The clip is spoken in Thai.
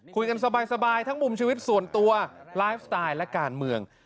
สบายทั้งมุมชีวิตส่วนตัวไลฟ์สไตล์และการเมือง